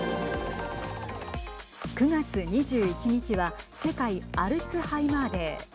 ９月２１日は世界アルツハイマーデー。